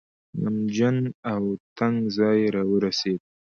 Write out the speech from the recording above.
نمجن او تنګ ځای راورسېد.